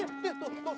ini tuh tisunya